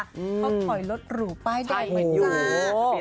เขาขอยรถหรูป้ายดอกเหมือนกันค่ะ